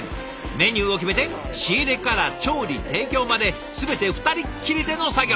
メニューを決めて仕入れから調理提供まで全て２人っきりでの作業。